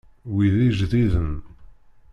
Wi d ijdiden.